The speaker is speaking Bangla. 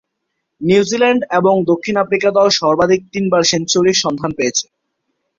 নিউজিল্যান্ড এবং দক্ষিণ আফ্রিকা দল সর্বাধিক তিনবার সেঞ্চুরির সন্ধান পেয়েছে।